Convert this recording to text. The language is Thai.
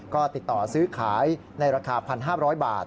ก็ติดต่อซื้อขายในราคา๑๕๐๐บาท